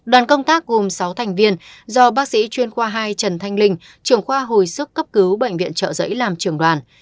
đoàn công tác gồm sáu thành viên do bác sĩ chuyên khoa hai trần thanh linh trưởng khoa hồi sức cấp cứu bệnh viện trợ giấy làm trưởng đoàn